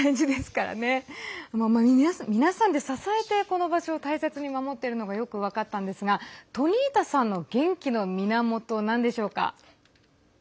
皆さんで、この場所を大切に守っているのがよく分かったんですがトニータさんの元気の源はなんでしょうか？